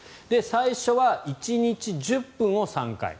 最初は１日１０分を３回。